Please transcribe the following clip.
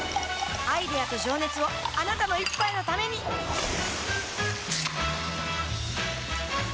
アイデアと情熱をあなたの一杯のためにプシュッ！